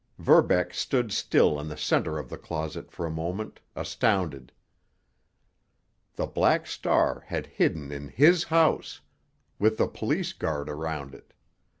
Verbeck stood still in the center of the closet for a moment, astounded. The Black Star had hidden in his house, with the police guard around it!